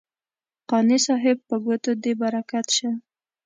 قانع صاحب په ګوتو دې برکت شه.